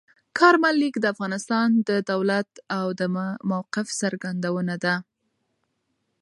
کارمل لیک د افغانستان د دولت د موقف څرګندونه ده.